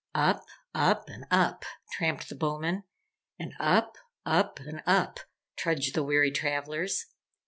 Up, up, and up, tramped the Bowmen, and up, up, and up trudged the weary travellers.